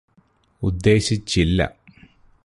ഉദ്ദേശിച്ചില്ല